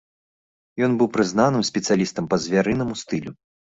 Ён быў прызнаным спецыялістам па звярынаму стылю.